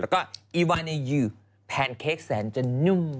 แล้วก็อีวาเนี่ยอยู่แพนเค้กแสนจะนุ่ม